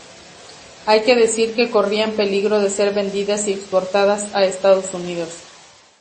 Hay que decir que corrían peligro de ser vendidas y exportadas a Estados Unidos.